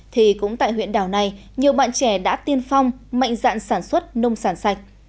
thì cũng tại huyện đảo này nhiều bạn trẻ đã tiên phong mạnh dạng sản xuất nông sản sạch